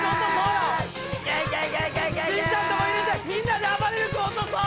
みんなであばれる君落とそう！